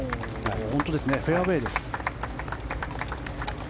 本当ですねフェアウェーです。